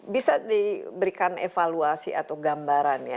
bisa diberikan evaluasi atau gambar